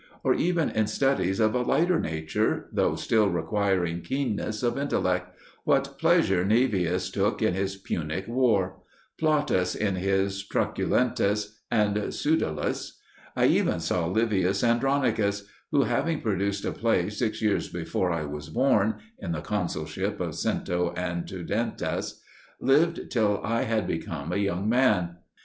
Or again in studies of a lighter nature, though still requiring keenness of intellect, what pleasure Naevius took in his Punic War! Plautus in his Truculentus and Pseudolus! I even saw Livius Andronicus, who, having produced a play six years before I was born in the consulship of Cento and Tuditanus lived till I had become a young man.